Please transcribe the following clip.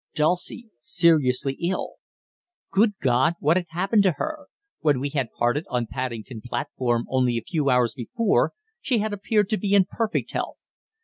Dulcie seriously ill! Good God, what had happened to her when we had parted on Paddington platform only a few hours before she had appeared to be in perfect health.